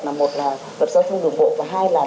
là một là luật giao thông đường bộ và hai là